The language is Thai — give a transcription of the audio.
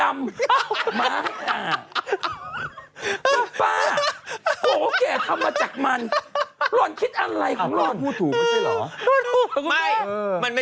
มันทุกเม็ดเออไม่ใช่ถั่วหรอกฉันสักทางถั่วดำ